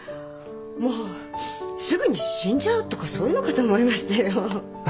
もうすぐに死んじゃうとかそういうのかと思いましたよ。